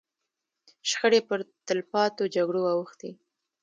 شخړې پر تلپاتو جګړو اوښتې.